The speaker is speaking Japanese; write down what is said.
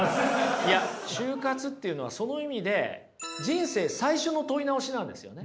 いや就活っていうのはその意味で人生最初の問い直しなんですよね。